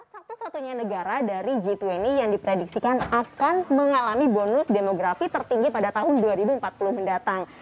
satu satunya negara dari g dua puluh yang diprediksikan akan mengalami bonus demografi tertinggi pada tahun dua ribu empat puluh mendatang